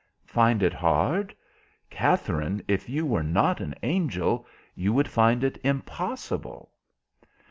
"Find it hard? Katherine, if you were not an angel you would find it impossible."